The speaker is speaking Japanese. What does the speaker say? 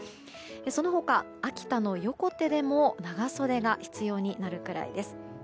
その他、秋田の横手でも長袖が必要になるくらいです。